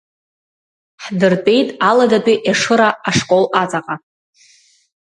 Ҳдыртәеит Аладатәи Ешыра ашкол аҵаҟа.